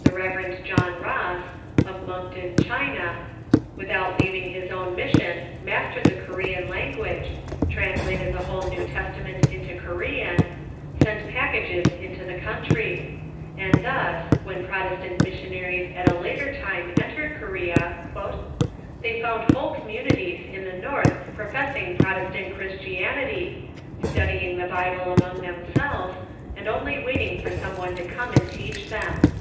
The Rev. John Ross, of Monkden, Cliina, without leav Eastern Asia .,... i. i . i t i ing his own mission, mastered the Korean language, translated the whole New Testament into Korean, sent pack ages into the country, and thus, when Protestant missionaries at a later time entered Korea, " they found whole communities in the north professing Protestant Christianity, studying the Bible among themselves, and only waiting for some one to come and teach them."